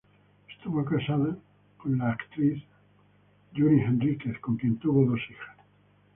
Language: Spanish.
Estuvo casado con la actriz Judy Henríquez con quien tuvo dos hijas.